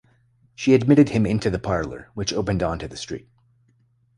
She admitted him into the parlour, which opened on to the street.